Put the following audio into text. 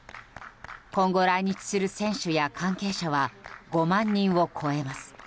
今後、来日する選手や関係者は５万人を超えます。